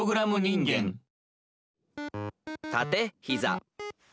「たてひざ」。